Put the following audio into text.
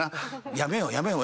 やめようやめよう。